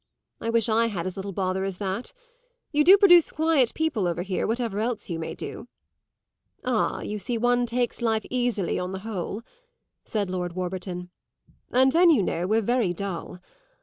I wish I had as little bother as that. You do produce quiet people over here, whatever else you may do." "Ah, you see one takes life easily, on the whole," said Lord Warburton. "And then you know we're very dull.